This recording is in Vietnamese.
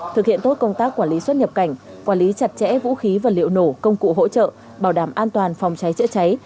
thực hiện tốt công tác quản lý xuất nhập cảnh quản lý chặt chẽ vũ khí vật liệu nổ công cụ hỗ trợ bảo đảm an toàn phòng cháy chữa cháy